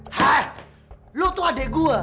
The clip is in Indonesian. hei lu itu adik gua